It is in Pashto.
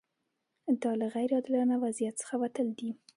دا له غیر عادلانه وضعیت څخه وتل دي.